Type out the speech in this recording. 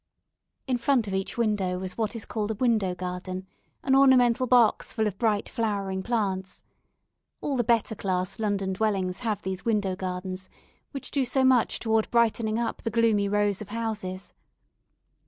In front of each window was what is called a window garden, an ornamental box full of bright flowering plants. All the better class London dwellings have these window gardens, which do so much toward brightening up the gloomy rows of houses.